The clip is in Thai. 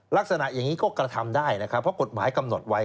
ลักษณะอย่างนี้ก็กระทำได้นะครับเพราะกฎหมายกำหนดไว้